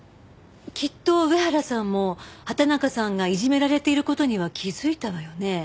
きっと上原さんも畑中さんがいじめられている事には気づいたわよね？